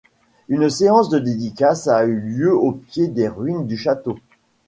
Une séance de dédicaces a eu lieu au pied des ruines du château.